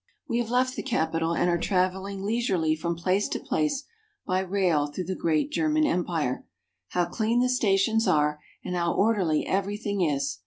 WE have left the capital, and are traveling leisurely from place to place by rail through the great Ger man Empire. How clean the stations are, and how orderly everything is!